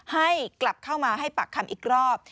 ให้กลับเข้ามาให้ปากคำอีกรอบ